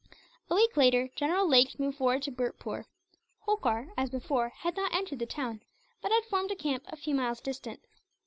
A week later, General Lake moved forward to Bhurtpoor. Holkar, as before, had not entered the town; but had formed a camp a few miles distant.